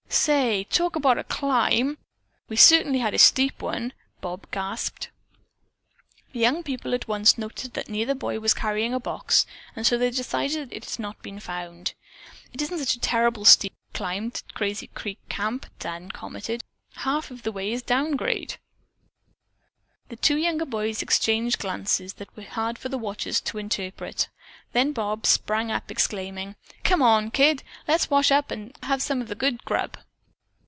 "Say, talk about a climb! We certainly had a steep one!" Bob gasped. The young people at once noted that neither boy was carrying a box and so they decided that it had not been found. "It isn't such a terrible steep climb to Crazy Creek Camp," Dan commented. "Half of the way is down grade." The two younger boys exchanged glances that were hard for the watchers to interpret. Then Bob sprang up, exclaiming: "Come on, kid. Let's wash and have some of the good grub."